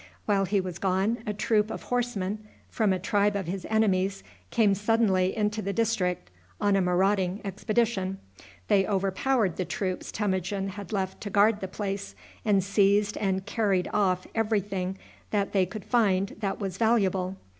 While he was gone a troop of horsemen, from a tribe of his enemies, came suddenly into the district on a marauding expedition. They overpowered the troops Temujin had left to guard the place, and seized and carried off every thing that they could find that was valuable.